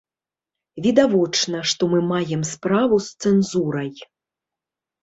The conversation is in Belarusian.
Відавочна, што мы маем справу з цэнзурай.